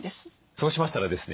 そうしましたらですね